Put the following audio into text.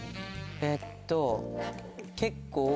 えっと結構。